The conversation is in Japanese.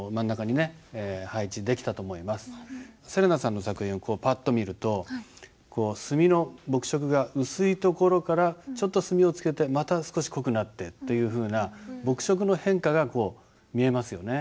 せれなさんの作品ぱっと見ると墨の墨色が薄いところからちょっと墨をつけてまた少し濃くなってというふうな墨色の変化が見えますよね。